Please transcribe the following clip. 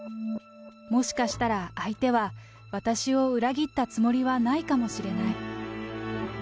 もしかしたら相手は私を裏切ったつもりはないかもしれない。